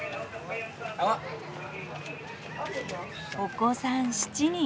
お子さん７人。